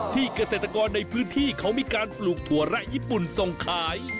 เกษตรกรในพื้นที่เขามีการปลูกถั่วแระญี่ปุ่นส่งขาย